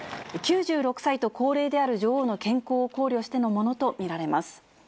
９６歳と高齢である女王の健康を考慮してのものと見られます。